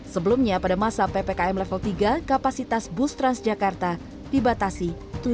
sebelumnya pada masa ppkm level tiga kapasitas bus transjakarta dibatasi